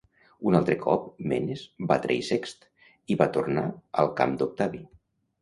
Un altre cop, Menes va trair Sext i va tornar al camp d'Octavi.